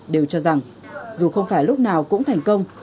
đều cho rằng dù không phải lúc nào cũng thành công